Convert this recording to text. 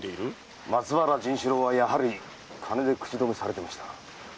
松原甚四郎はやはり金で口止めされてました。